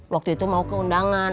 waktu itu mau ke undangan